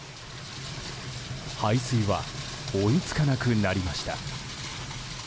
排水は追いつかなくなりました。